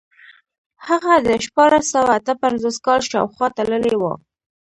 هغه د شپاړس سوه اته پنځوس کال شاوخوا تللی و.